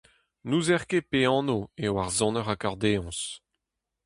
N'ouzer ket pe anv eo ar soner akordeoñs.